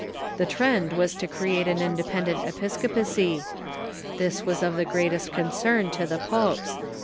The trend was to create an independent episcopacy. This was of the greatest concern to the popes.